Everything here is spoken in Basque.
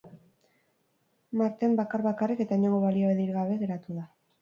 Marten bakar-bakarrik eta inongo baliabiderik gabe geratu da.